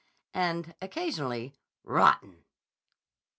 And, occasionally, "Rotten!"